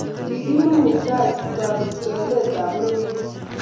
kekimit muitaet kotoreti teleletab bororiet